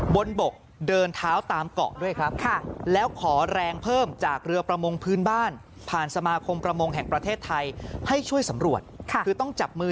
บนบกเดินเท้าตามเกาะด้วยครับ